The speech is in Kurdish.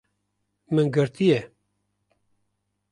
Min girtiye